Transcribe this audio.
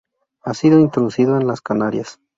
Ha sido introducido en las Canarias.